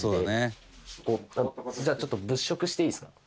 隆貴君：じゃあ、ちょっと物色していいですか？